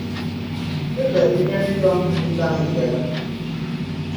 Ke bəlí nənì yǒm mīyï laŋhi beləŋ.